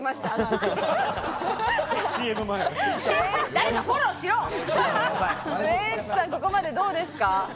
ウエンツさん、ここまでどうですか？